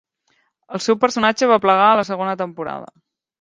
El seu personatge va plegar a la segona temporada.